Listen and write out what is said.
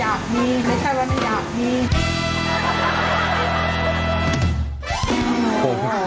กูก็อยากจะมีบ้างนะขัวเนี่ยไม่ใช่ว่ามันอยากมีไม่ใช่ว่ามันอยากมี